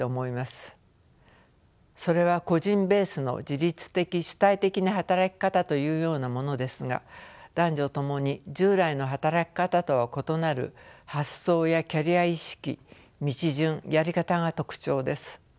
それは個人ベースの自律的主体的な働き方というようなものですが男女ともに従来の働き方とは異なる発想やキャリア意識道順やり方が特徴です。